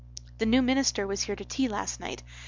"The new minister was here to tea last night.